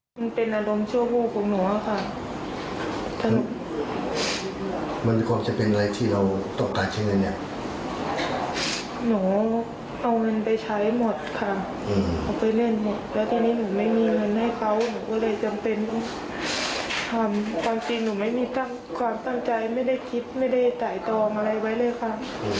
ช่วยเงินให้เขาผมก็เลยจำเป็นทำความจริงผมไม่มีความตั้งใจไม่ได้คิดไม่ได้ต่ายตอบอะไรใบ้เลยครับ